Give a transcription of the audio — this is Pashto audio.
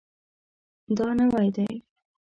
دا نوی دی